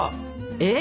えっ？